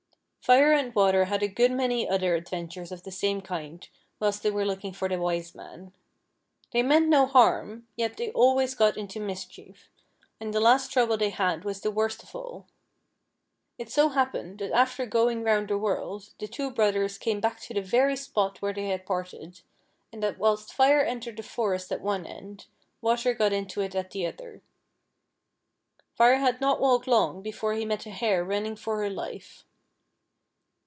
Fire and Water had a good many other adventures of the same kind whilst they were looking for the Wise Man. They meant no harm, yet they always got into mischief, and the last trouble thev had was the worst oi FIRE AXD WATER. 113 all. It SO happened, that after going round the world, the two brothers came back to the very sput where they had Darted, and that whilst Fire entered a forest at one end, Water got into it at the other. Fire had not walked long before he met a hare running for her life.